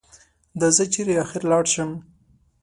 دا زه چېرې اخر لاړ شم؟